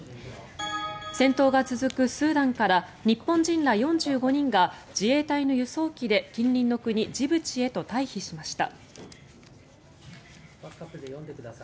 戦闘が続くスーダンから日本人ら４５人が自衛隊の輸送機で近隣の国ジブチへと退避しました。